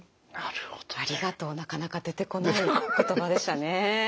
「ありがとう」なかなか出てこない言葉でしたね。